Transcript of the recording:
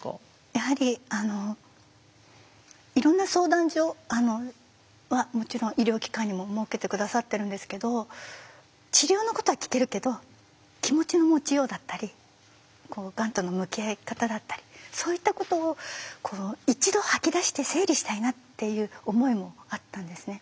やはりいろんな相談所はもちろん医療機関にも設けて下さってるんですけど治療のことは聞けるけど気持ちの持ちようだったりがんとの向き合い方だったりそういったことをっていう思いもあったんですね。